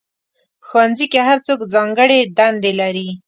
په ښوونځي کې هر څوک ځانګړې دندې لري.